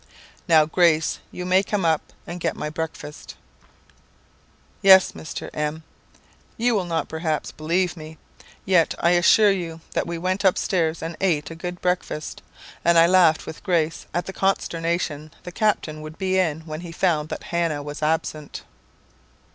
"'Now, Grace, you may come up and get my breakfast.' "Yes, Mr. M . You will not perhaps believe me, yet I assure you that we went upstairs and ate a good breakfast; and I laughed with Grace at the consternation the captain would be in when he found that Hannah was absent.